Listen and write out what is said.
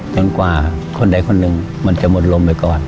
กว่าคนใดคนหนึ่งมันจะหมดลมไปก่อน